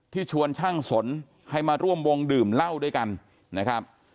ชวนช่างสนให้มาร่วมวงดื่มเหล้าด้วยกันนะครับ